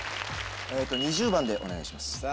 えーと２０番でお願いします